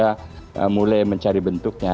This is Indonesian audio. kita mulai mencari bentuknya